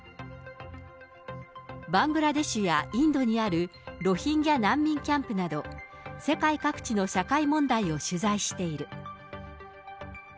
バングラデシュやインドにあるロヒンギャ難民キャンプなど、世界各地の社会問題を取材している。